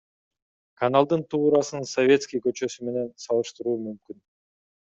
Каналдын туурасын Советский көчөсү менен салыштыруу мүмкүн.